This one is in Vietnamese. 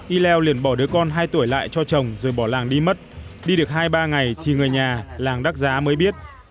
y leo liền bỏ đứa con hai tuổi lại cho chồng rồi bỏ làng đi mất đi được hai ba ngày thì người nhà làng đắc giá mới biết